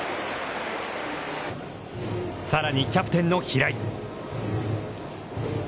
さらに、キャプテンの平井。